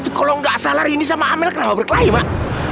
itu kalo ga salah rini sama amel kenapa berkelahi mak